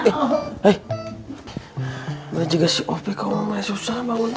bagaimana jaga si op kalau masih susah bangun tuh